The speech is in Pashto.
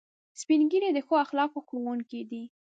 سپین ږیری د ښو اخلاقو ښوونکي دي